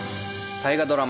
大河ドラマ